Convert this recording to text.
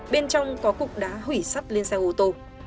bên trong có cục đá hủy sắt lên xe ô tô